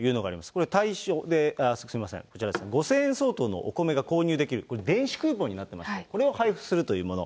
これ、対象、すみません、こちらですね、５０００円相当のお米が購入できる電子クーポンになっていまして、これを配布するというもの。